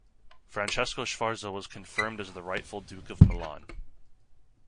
Francesco Sforza was confirmed as the rightful duke of Milan.